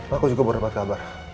pak aku juga baru dapat kabar